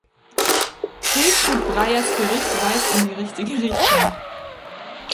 Hiltrud Breyers Bericht weist in die richtige Richtung.